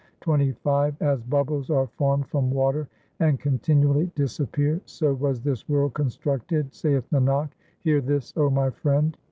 XXV As bubbles are formed from water and continually dis appear ; So was this world constructed, 2 saith Nanak ; hear this, O my friend.